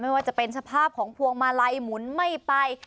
ไม่ว่าจะเป็นสภาพของพวงมาลัยหมุนไม่ไป